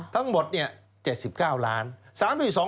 ทั้งหมด๗๙ล้าน